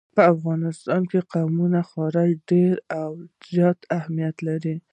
په افغانستان کې قومونه خورا ډېر او ډېر زیات اهمیت لري.